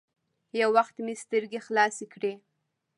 يو وخت مې سترګې خلاصې کړې.